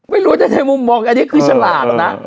ไม่รู้ว่าจะได้มุมมองอันนี้คือฉลาดนะ